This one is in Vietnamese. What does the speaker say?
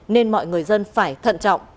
nên mọi người dân phải thận trọng